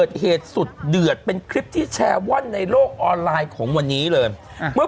โดยในมือนางเนี่ยถือทะเบียนสมมุสอยู่ในมือ